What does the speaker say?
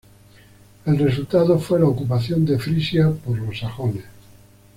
El resultado fue la ocupación de Frisia por los sajones.